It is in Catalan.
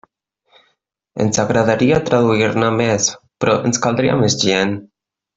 Ens agradaria traduir-ne més, però ens caldria més gent.